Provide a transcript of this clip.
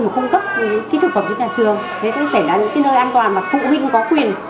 mà cung cấp những cái thực phẩm cho nhà trường để tất cả những cái nơi an toàn và phụ huynh có quyền